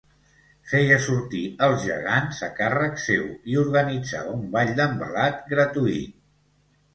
Feia sortir els gegants a càrrec seu i organitzava un ball d'envelat gratuït.